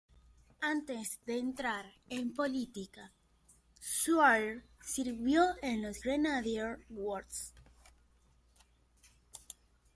Antes de entrar en política, Swire sirvió en los Grenadier Guards.